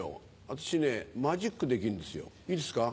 私ねマジックできるんですよいいですか？